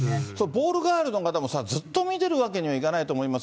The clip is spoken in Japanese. ボールガールの方もずっと見てるわけにはいかないと思います。